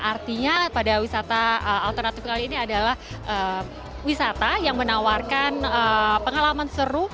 artinya pada wisata alternatif kali ini adalah wisata yang menawarkan pengalaman seru